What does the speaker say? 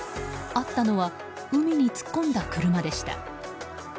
あったのは海に突っ込んだ車でした。